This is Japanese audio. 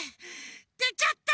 でちゃった！